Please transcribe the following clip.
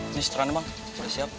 ini seteran bang boleh siap